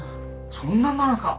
そんなになるんですか！